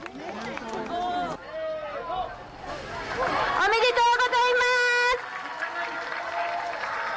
おめでとうございます！